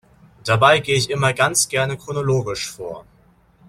Dabei gehe ich immer ganz gerne chronologisch vor.